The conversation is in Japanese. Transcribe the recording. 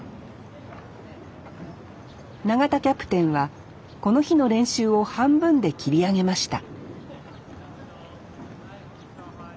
永田キャプテンはこの日の練習を半分で切り上げました